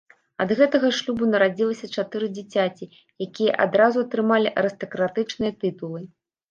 Ад гэтага шлюбу нарадзілася чатыры дзіцяці, якія адразу атрымалі арыстакратычныя тытулы.